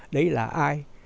đấy là ai